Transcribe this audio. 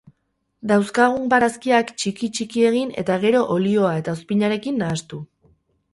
Dauzkagun barazkiak txiki txiki egin eta gero olioa eta ozpinarekin nahastu.